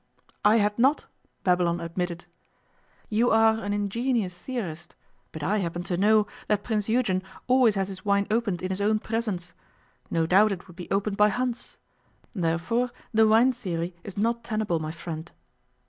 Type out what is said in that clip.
'I had not,' Babylon admitted. 'You are an ingenious theorist, but I happen to know that Prince Eugen always has his wine opened in his own presence. No doubt it would be opened by Hans. Therefore the wine theory is not tenable, my friend.